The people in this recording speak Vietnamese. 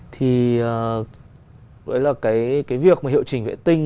thì đấy là cái việc mà hiệu trình vệ tinh